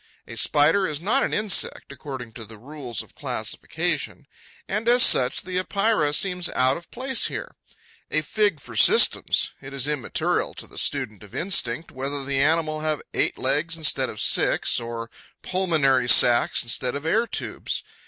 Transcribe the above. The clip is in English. A Spider is not an insect, according to the rules of classification; and as such the Epeira seems out of place here. A fig for systems! It is immaterial to the student of instinct whether the animal have eight legs instead of six, or pulmonary sacs instead of air tubes.